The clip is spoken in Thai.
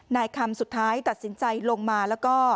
นายคำสุดท้ายตัดสินใจลงมาแล้วก็